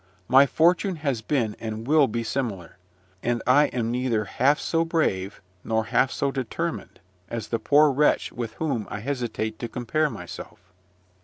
My fortune has been and will be similar; and I am neither half so brave nor half so determined as the poor wretch with whom I hesitate to compare myself.